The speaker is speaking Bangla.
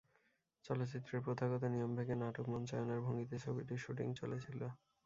চলচ্চিত্রের প্রথাগত নিয়ম ভেঙে নাটক মঞ্চায়নের ভঙ্গিতে ছবিটির শ্যুটিং চলেছিল।